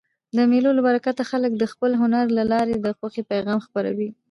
د مېلو له برکته خلک د خپل هنر له لاري د خوښۍ پیغام خپروي.